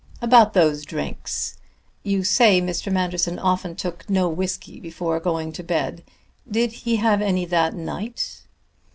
"About those drinks. You say Mr. Manderson often took no whisky before going to bed. Did he have any that night?"